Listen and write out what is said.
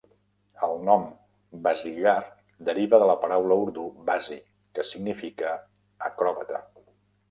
El nom Bazigar deriva de la paraula urdú "bazi", que significa acròbata.